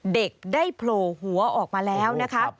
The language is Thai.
เด็กได้โผล่หัวออกมาแล้วนะคะ